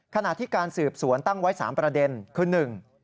ขณะที่การสืบสวนตั้งไว้๓ประเด็นคือหนึ่ง